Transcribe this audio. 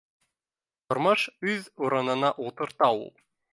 Тормош уҙ урынына ултырта ул